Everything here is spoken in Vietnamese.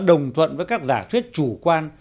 đồng thuận với các giả thuyết chủ quan